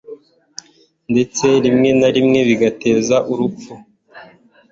ndetse rimwe na rimwe bigateza urupfu